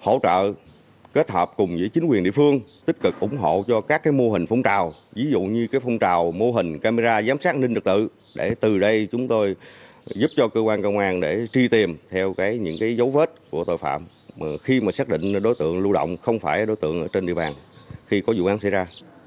hỗ trợ kết hợp cùng với chính quyền địa phương tích cực ủng hộ cho các mô hình phong trào ví dụ như phong trào mô hình camera giám sát an ninh trật tự để từ đây chúng tôi giúp cho cơ quan công an để truy tìm theo những dấu vết của tội phạm mà khi mà xác định đối tượng lưu động không phải đối tượng trên địa bàn khi có vụ án xảy ra